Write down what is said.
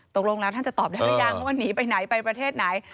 ตกลงแล้วท่านจะตอบได้หรือยังว่าหนีไปไหนไปประเทศไหน